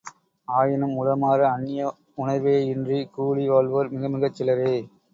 ஆயினும் உளமார அந்நிய உணர்வேயின்றிக் கூடி வாழ்வோர் மிகமிகச் சிலரே!